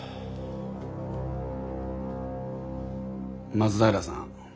松平さん。